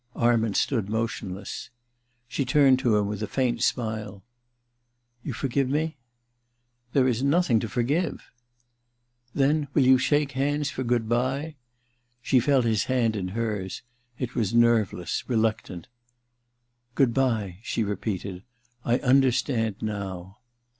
Arment stood motionless. She turned to him with a faint smile. 232 THE RECKONING iii * You forgive me ?There is nothing to forgive * Then will you shake hands for good bye ?' She felt his hand in hers : it was nerveless, reluctant. ^Good bye,' she repeated. *I understand now.'